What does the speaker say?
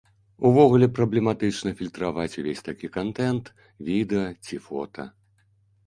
Увогуле праблематычна фільтраваць увесь такі кантэнт, відэа ці фота.